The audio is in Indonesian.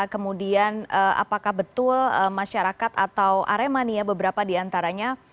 kemudian apakah betul masyarakat atau aremania beberapa di antaranya